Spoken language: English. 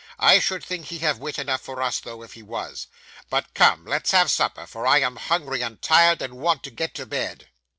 I should think he'd have wit enough for us though, if he was. But come; let's have supper, for I am hungry and tired, and want to get to bed.